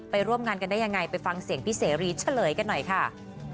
ร่วมงานกันได้ยังไงไปฟังเสียงพี่เสรีเฉลยกันหน่อยค่ะ